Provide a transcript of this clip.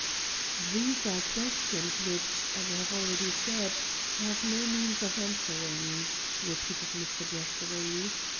"These are questions which, as I have already said, I have no means of answering," repeated Mr. Jeffrey.